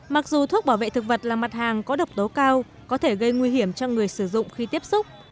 mặc dù thuốc bảo vệ thực vật là mặt hàng có độc tố cao có thể gây nguy hiểm cho người sử dụng khi tiếp xúc